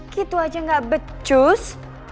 gitu aja nggak becus